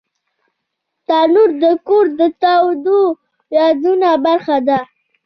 تنور د کور د تودو یادونو برخه ده